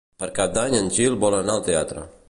Per Cap d'Any en Gil vol anar al teatre.